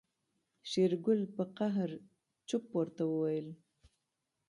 شېرګل په قهر چپ ور وويل.